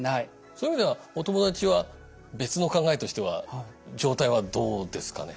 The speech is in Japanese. そういう意味ではお友達は別の考えとしては状態はどうですかね？